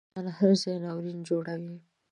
مچان هر ځای ناورین جوړوي